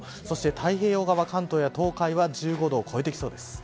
そして太平洋側、関東は１５度を超えてきそうです。